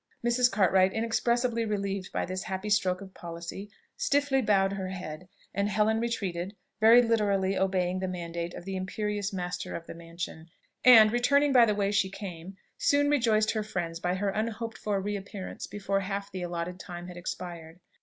Mrs. Cartwright, inexpressibly relieved by this happy stroke of policy, stiffly bowed her head; and Helen retreated, very literally obeying the mandate of the imperious master of the mansion, and returning by the way she came, soon rejoiced her friends by her unhoped for reappearance before half the allotted time had expired.